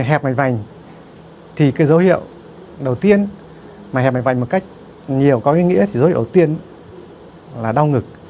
hẹp mảnh vành thì cái dấu hiệu đầu tiên mà hẹp mảnh vành một cách nhiều có ý nghĩa thì dấu hiệu đầu tiên là đau ngực